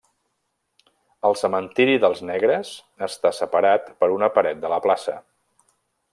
El Cementiri dels Negres està separat per una paret de la plaça.